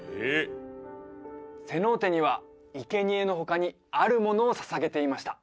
セノーテにはいけにえの他にあるものを捧げていました